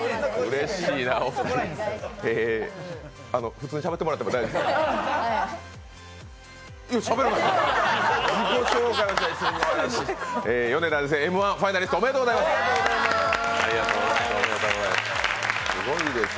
普通にしゃべってもらっても大丈夫です。